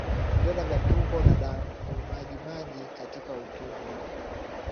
Vidonda vya tumboni na damumajimaji katika utumbo